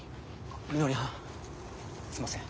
みのりはんすんません